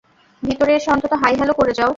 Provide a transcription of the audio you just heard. ভিতরে এসে অন্তত হাই-হ্যাঁলো করে যাও।